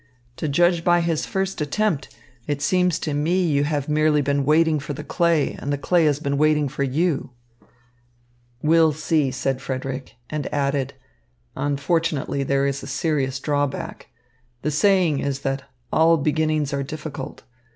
To judge by this first attempt, it seems to me you have merely been waiting for the clay and the clay has been waiting for you." "We'll see," said Frederick, and added, "Unfortunately there is a serious drawback. The saying is that all beginnings are difficult.